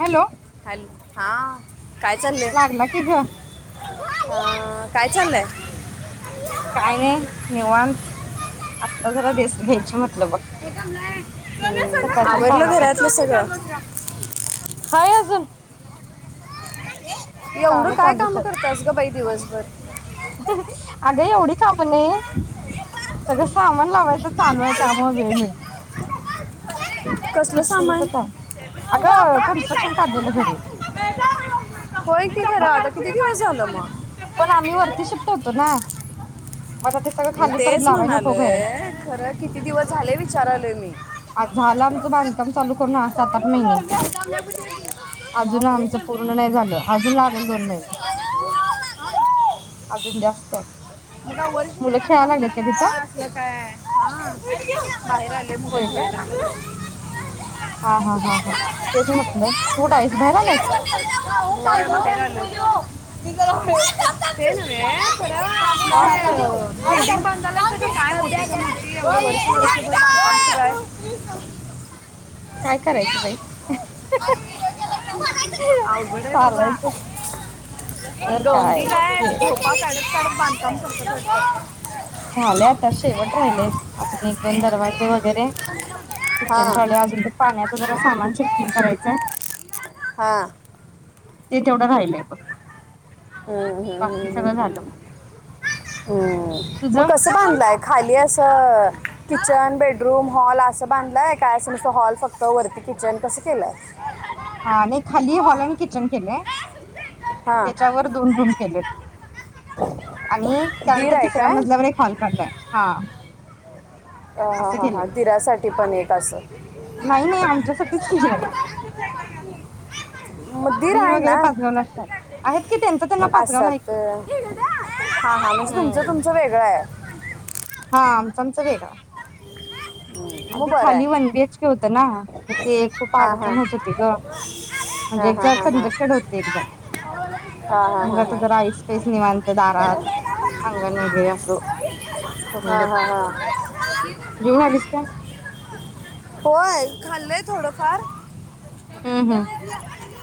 Hello. Hello हा. लागला कि ग. अ काय चाललंय. काय नाही निवांत आत्ता जरा रेस्ट घ्यायची म्ह ह सकाळच्या आवरलं कामात घरातलं सगळं. हाय अजून ए एवढं काय काम करतस ग बाई दिवसभर. कणाय सगळं सामान लावायच चालू आहे त्यामुळे वेळ मिळेना कसलं सामान [unintelligible] अग कनस्ट्रक्शन काढलेलं घरी होय कि म- खरा कुठं काय झालं मग. पण आम्ही वरती शिफ्ट होतो ना. मग आता ते सगळं म खाली परत तेच लावाय नको ग म्हणालोय खरं किती दिवस झाले विचारलोय मी आज झालं आमचं बांधकाम चालू करून आज सात आठ महिने अजून बापरे. आमचं पूर्ण नाही झालं अजून लागेल दोन महिने अजून जास्त आहे बघा म ओरिजिनल बांधकाम कडला अस काय हा बाहेर आले मुलं होय का फिरवायला. हा हा हा हा तेच म्हटलं तू कुठं आहेस बाहेर आल्यास. बाहेर बाहेर आलं [unintelligible] हा ते नव्हे [unintelligible] [unintelligible] काय करायचं बाई [unintelligible] अवघड आहे बाबा चालायचं तर गवंडी काय वेळ झोपा काढत [unintelligible] झाले आता शेवट राहिलेय हा अजून एक दोन दरवाजे वगैरे किचन ट्रॉले अजून ते पाण्याचा जरा सामान शिफ्टिंग करायचंय. हा ते तेवढं राहिलंय बघ. हम्म हम् बाकी सगळं हम्म हम् झालं हम् हम्म मग तुझं कसं बांधलंय खाली असं किचन बेडरूम हॉल असं बांधलंय काय अस नुसता हॉल फक्त वरती किचन कसं केलंय? हा आणि खाली हॉल आणि किचन केलंय हा त्याच्यावर दोन रूम केलेत आणि दीर त्यानंतर आहे तिसऱ्या काय मजल्यावर एक हॉल काढलाय हा अ हा असं हा हा केलंय दिरासाठी पण येत असंल नाही नाही आमच्यासाठीच केलंय म दिर दीर हाय वगैरे ना पाचगावला असतात आहेत की त्यांचं त्यांना पाचगावला आहे आसात की हा हा म्हणजे तुमचं हम्म तुमचं वेगळं आहे. हा आमचं आमचं वेगळा अगदी म खाली वन बीएच के बरा होतं ना तर आहे ते खूप अडचण होत हा होती ग हा म्हणजे एकदा हा कंजक्टेड होते हा एकदम हा मग आता हा जरा आई स्पेस हा निवांत दारात हा अंगण वगैरे हा असं हा करून घेतलं हा हा जेवून आलीस काय हा होय खाल्लंय थोडंफार हम्म हम्म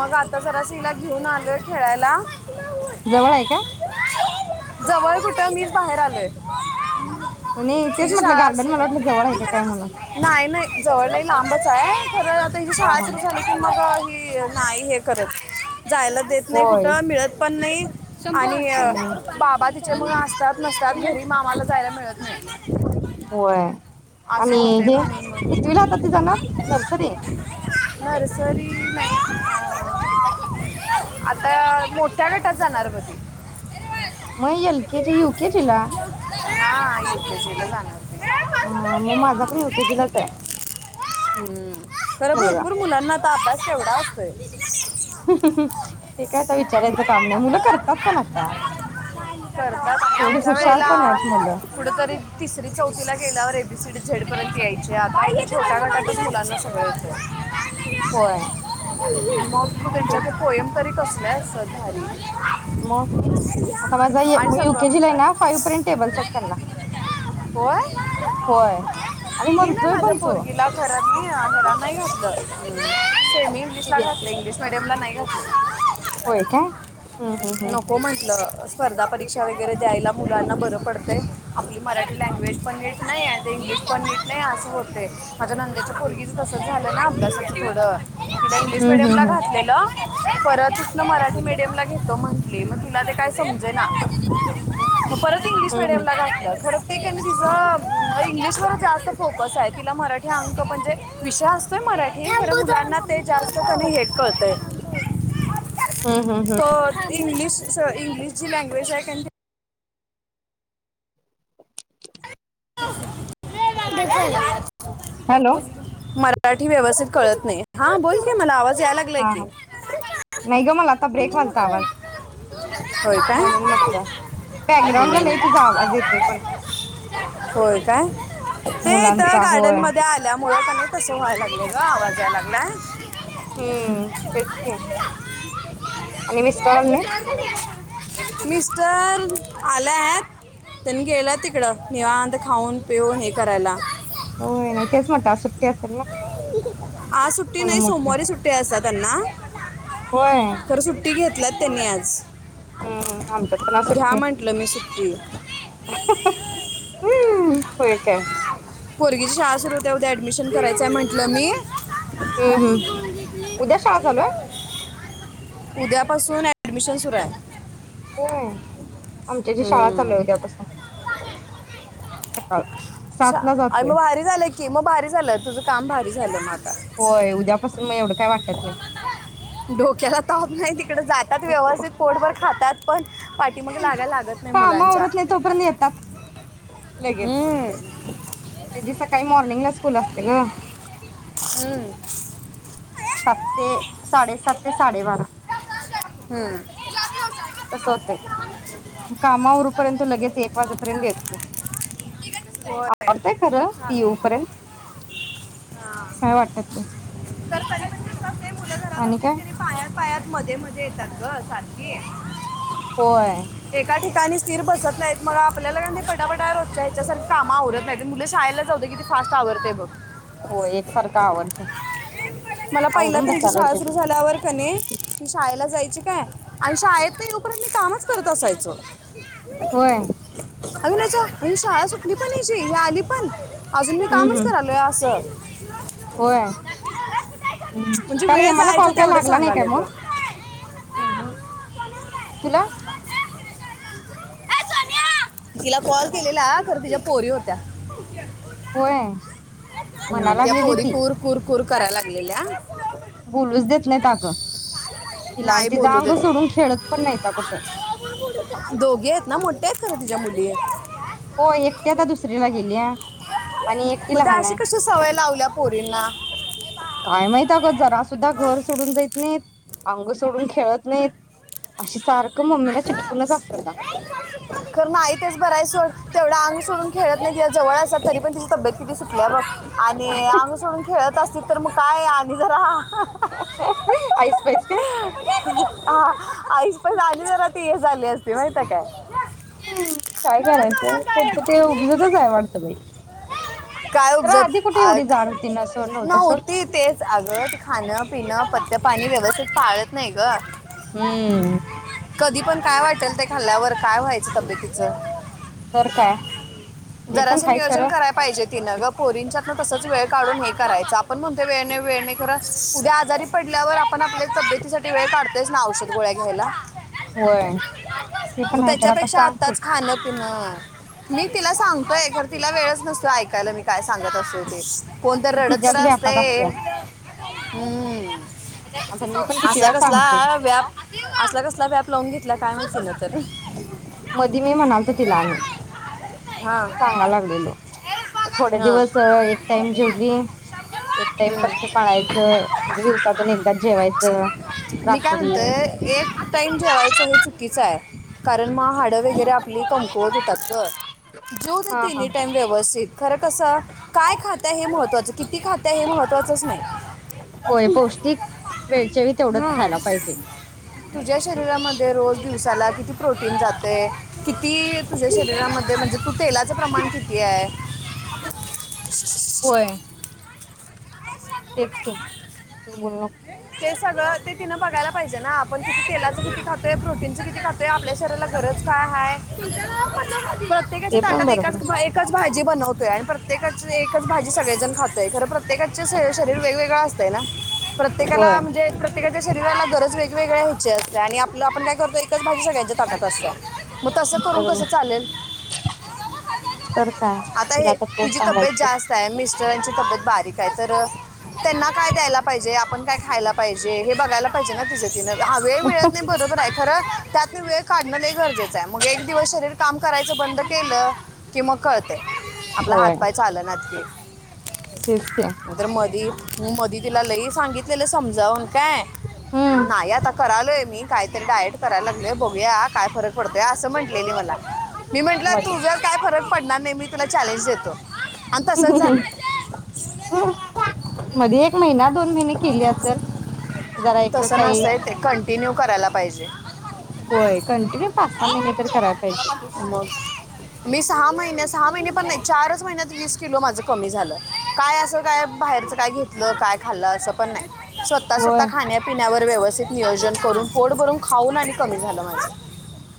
मग आता जरा श्रीला घेऊन आलोय खेळायला जवळ आहे काय? जवळ कुठं मीच बाहेर आलोय. हो नी तेच तिची म्हटलं गार्डन मला वाटलं जवळ आहे का काय म्हणून नाई नाय जवळ नाई लांबच हाय खर आता ही हा शाळा हा सुरु झााली की मग ती नाही हे करत. जायला देत नाय होय कुठं मिळत पण नाई आणि य हम्म बाबा ति त्यामुळ असतात नसतात घरी म आम्हाला जायला मिळत नाही. होय. अस आणि होतेय हे म्हणून कितवीला आता ती म जाणार नर्सरी नर्सरी नाही अं आता मोठ्या गटात जाणार ब ती म L K G U K G ला हा यू के जी ला जाणार ती. मग माझा पण युकेजीलाच आहे हम्म खरं मुलगा भरपूर मुलांना आता अभ्यास केवढा आसतोय. हे काय आता विचारायचं काम नाही मुलं करतात पण आता करतात आणि तेवढी आमच्या हुशार वेळेला पण आहेत मुलं कुठेतरी तिसरी चौथीला गेल्यावर एबीसीडी झेड पर्यंत यायचे आता छोटया गटातच मुलांना सगळ येतय. होय. [inaudible] त त्यांच्या त्या तेच पोएम तरी कस [unintelligible] मग आता माझा आणि म यु सगळं के जी ला हाय ना म्हणतात फाव पर्यंत टेबल्स आहेत त्यांना होय हो. आणि मी नाही म्हणतोय माझ्या पण तो पोरगीला घरात मी नाही घातलं सेमी [unintelligible] मी इंग्लिशला सीबीएसई घातलय इंग्लिश मिडियमला नाय [inaudible] होय काय हम्म हम्म हम्म. नको म्हटलं स्पर्धा परीक्षा वगैरे द्यायला मुलांना बरं पडतंय आपली मराठी लँग्वेज पण येत नाही इंग्लिश पण येत नाही असं होते माझ्या नंद्याच्या पोरगीच तसं झालं ना अभ्यास इंग्लिश हम्म मिडियमला हम्म हम्म घातलेलं परत ना मराठी मीडियमला घेतो म्हंटले मग तिला ते काय समज ना परत इंग्लिश हम्म हम्म मीडियमला घातले ते क त जा [unintelligible] इंग्लिशवर जास्त फोकस आहे तिला मराठी अंक म्हणजे विषय असतोय मराठी पण मुलांना ते जास्त हे कळतय. हम्म हम्म हम्म हो इंग्लिश कस इंग्लिशची लँग्वेज आहे का नाही ह हॅलो [unintelligible] मराठी व्यवस्थित कळत नाही हा बोलकी मला आवाज या लागलाय हा की हा नाही ग मला आता ब्रेक व्हालता आवाज होय का. म्हणून म्हटलं बॅकग्राऊंडला लई तुझा आवाज येतोय पण होय काय ते इथ मुलांचा होय गार्डन मध्ये आल्यामुळे परत तस व्हायला लागलं ग आवाज यायला लागलाय हम्म तेच की आणि विस्टरानी. मिस्टर आल्या आहेत त्यांनी गेलेत तिकडं निवांत खाऊन पिऊन हे करायला. होय नाही तेच म्हणत सुट्टी असेल ना आज सुट्टी नाही म्हणून म्हटलं. सोमवारी सुट्टी असतात त्यांना होय तर सुट्टी घेत घेतलं त्यांनी आज हम्म हम्म आमच्यात पण आज घ्या सुट्टी म्हटलं मी सुट्टी होय काय? पोरगीची शाळा सुरु होतेय उद्या ऍडमिशन करायचंय म्हंटलं मी हम्म हम्म उद्या शाळा चालू आहे [unintelligible] उद्यापासून ऍडमिशन सुरू आहे. होय. आमच्याची शाळा चालू हम्मं आहे उद्यापासून सकाळ सात ला जातोय मग भारी झालं कि मग भारी झालं तुझ काम भारी झालं आता होय उद्यापासून मग एवढं काय वाटत नाही. तीकडे जातात हो व्यवस्थित पोटभर खातात पण ती मग लागय लाग काम आवरत नाही तोपर्यंत येतात. लगेच हम्म. त्याची सकाळी मॉर्निंगला स्कूल असते ग. हम्म. सात ते साडेसात ते साडेबारा हम्म. तस होतय काम आवरूपर्यंत लगेच एक वाजेपर्यंत येतोय होय आवरतय खरं ती चालतंय. येऊपर्यंत हा. काय वाटतात नाही. तर तरी पण कसं असते मुलं घरात आणि असली काय? तरी पायात पायात मध्ये मध्ये येतात ग सारखे होय. एका ठिकाणी स्थिर बसत नाहीत मग आपल्याला का नाही पटाफटावरत रोजच्या याच्याारखे काम आवरत नाही मुलं शाळेला जाऊतं किती फास्ट आवरतेय बघ. होय एकसारखं आवरतंय मला पहिला आवरून तर हिची बसायला शाळा होतंय सुरु झाल्यावर कणी ही शाळेला जायच म्हणजे काय आणि शाळेत नाही लकरत मी कामच करत असायचो [unintelligible] [unintelligible] होय अग्नीच्या शाळा सुटली पण हीची ही आली पण? अजून मी हम्म हम्म कामच करायलो असं. होय हम्म म्हणजे काल वेळ हेमाला जायचा कॉल कयला तेवढं लागला नाही काय सांगाले मग. ग तुला तिला कॉल केलेला कर तिच्या पोरी होत्या होय. हम्मं म्हणा त्या लागलेली पोरी ती कुर कूर कुर करायला लागलेल्या बोलूच देत नाहीत अगं नाही तिलांची बोलू जांग देत सोडून खेळत पण नाहीता कुठ तुझ्या मुलीये हो एकट्या आता दुसरी्ला गेलीया आणि एक मग त्या अशी कशी सवय लावल्या पोरींना काय माहत अ गं जरा सुद्धा घर सोडून जायत नाहीत अंग सोडून खेळत नाहीत अशी सारख [unintelligible] कर मा आई तेच बरायच तेवढं अंग सोडून खेळत नाही जवळ असत तरी पण तिची तब्येत किती सुटल्या बग आणि अंग सोडून खेळत असतील तर मग काय आणि जरा [unintelligible] आईस पाईस काय आईस पईस आणि जरा पी ए झाली असती माहित काय हम् काय करायचं, त्यांच ते उपजतच आहे वाटतं बाई. काय तर उपजत आधी कुठे एवढी जाड होती नसं अगं नव्हतं सोड न्हती तेच आग खाणं पिणं पथ्य पाणी व्यवस्थित पाळत नाही ग. हम्म्म. कधी पण काय वाटेल ते खाल्ल्यावर काय व्हायचं तब्येतीचं. तर का ते पण हा खरं. कोरींच्यात ना तसच वेळ काढून हे करायच आपण म्हणतो वेणे वेळणे कर उद्या आजारी पडल्यावर आपण आपल्या तब्येतीसाठी वेळ काढतोयस ना औषध गोळ्या घ्यायला. होय ते पण मग आहे तर आता त्याच्यापेक्षा सांग तू आत्ताच खाणं पिन. मी तिला सांगतोय ख तिला वेळच नसतो ऐक कायला मी काय सांगत असेल ते. कोणतरी ती रडत तर तिच्याच व्यापात असते. असत्या हम्म आता मी पण किती असला वेळा सांगते कसला व्याप असला कसला व्याप लावून घेत. त काय नचल तर. मधी मी म्हणालतो तिला, आणि हा सांगा लागलेलो. थोडे हा दिवस एक टाइम जेवली, एक टाइम पत्ते पाळायचं म्हणजे दिवसातून एकदा जेवायचं मी काय रात्री. म्हणते एक टाइम जेवायचं हे चुकीचं कारण मग हाडं वगैरे आपली कमकवत होेतात ग. जेदे हा हा तीन्ही टाइम व्यवस्थित. खरं कसं काय खातंय हे महत्त्वाचं, किती खाताय हे महत्त्वाचंच नाही. होय पौष्टिक वेळचेळी तेवढंच हम्म. खायला पाहिजे. तुझ्या शरीरामध्ये रोज दिवसाला किती प्रोटीन जात. ते किती तुझ्या शरीरामध्ये म्हणजे तू तेलाचं प्रमाण किती आहे. होय तेच कि बोलू नको. ते सगळं ते तिनं बघायला पाहिजे ना आपण तिथे तेलाचं किती खातोय प्रोटीनचं किती खातो आहे आपल्या शरीराला गरज काय आहे? ते प्रत्येकाच्या पण ताकात बरोबर एकाच आहे एकाच भाज. भाजी बनवतोय पण प्रत्येकच एकच भाजी सगळेजण खातात. खरं प्रत्येकाचे शरीर वेगवेगळं असतय ना. एकेकाला होय म्हणजे प्र्येकाच्या शरीराला गरज वेगवेगळ्या याची असत्या, आणि आपलं आपण काय करतो एकच भाजी सगळ्यांच्या ताटात असत्या. मग तस करून कस बरोबर चालेल तर काय आता तिला हे कोण तुझी तब्येत सांगायचं जास्त आहे मि तबेत बारीक आहे तर त्यांना काय द्यायला. पाहिजे आपण खायला पाहिजे हे बघयला पाहिजे ना तिझ तिन. वेळ मिळत नाही बरोबर आहे खरं. त्यातनं वेळ काढणं लय गरजेचं हाय. मग एक दिवस शरीर काम करायचं बंद केलं, की मग कळतंय. आपलं होय हातपाय चालनात ते. तेच की मी तर मधी मी मधी तिला लय सांगित लेलं समजावून काय. हम्म नाही आता करालोय मी कायतरी डायट कराय लागलोय बघूया, काय फरक पडतोय. असं म्हटलेली मला मी म्हंटलं, मध्ये तुझं काय फरक पडणार नाही. मी तुला चॅलेंज देतो. आणि [inaudible] तसंच झालं मध्ये एक महिना दोन महिने केली असंल. तसं नसतंय ते, कंटिन्यू करायला पाहिजे. [unintelligible] पाच सहा महिने तरी करायला पाहिजेच. मग मी सहा महिने सहा महिने पण नाय, चारच महिन्यात वीस किलो माझं कमी झालं. काय असं काय बाहेरच काय घेतलं, काय खाल्लं असं पण नाय. स्वतः स्वतः होय खाण्यापिण्यावर व्यवस्थित नियोजन करून पोट भरून खाऊन आणि कमी झालं माझं.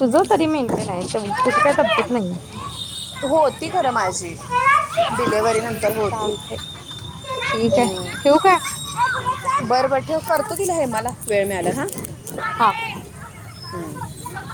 तुझं तरी मेंटेन आहे तुझी काय तब्येत नाहीये होती खरं माझी, डिलिवारीनंतर होती. चालतंय ठीक आहे अं ठेवू काय बर बर ठेव, करतो तिला हेमाला वेळ मिळाल्यावर हा. हा हं.